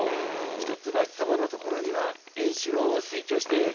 一橋様のところには円四郎を推挙して。